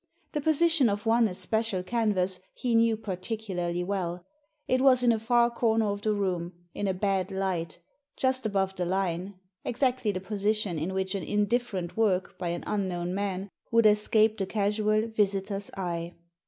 The position of one especial canvas he knew particularly well. It was in a far comer of the room, in a bad light, just above the line — exactly the position in which an indifferent work by an unknown man would be most likely to escape the casual visitor's eye.